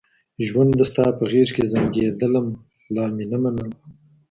ژونده ستا په غېږ کي زنګېدلم لا مي نه منل